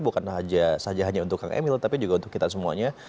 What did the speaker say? bukan saja hanya untuk kang emil tapi juga untuk kita semuanya